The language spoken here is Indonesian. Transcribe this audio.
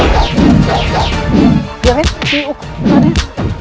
lihat ini ini ukur raden